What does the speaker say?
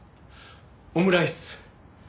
オムライス。